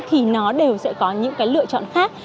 thì nó đều sẽ có những lựa chọn khác